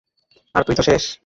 আর তুই তো শেষ!